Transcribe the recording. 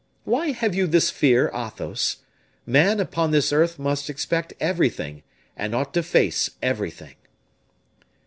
Why have you this fear, Athos? Man upon this earth must expect everything, and ought to face everything."